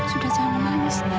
sudah jangan nangis